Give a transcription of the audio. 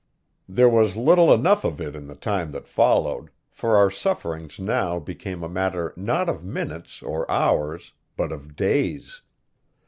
There was little enough of it in the time that followed, for our sufferings now became a matter not of minutes or hours, but of days.